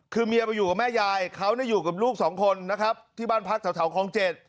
คือเมียไปอยู่กับแม่ยายเขาอยู่กับลูกสองคนนะครับที่บ้านพักแถวคลอง๗